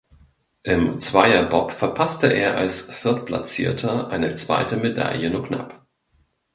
Im Zweierbob verpasste er als Viertplatzierter eine zweite Medaille nur knapp.